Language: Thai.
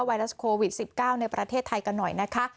โควิด๑๙ในประเทศไทยกันหน่อยนะคะ